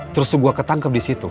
terus gue ketangkep disitu